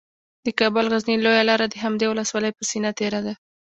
د کابل غزني لویه لاره د همدې ولسوالۍ په سینه تیره ده